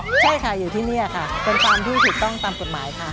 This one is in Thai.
ใช่ค่ะอยู่ที่นี่ค่ะเป็นฟาร์มที่ถูกต้องตามกฎหมายค่ะ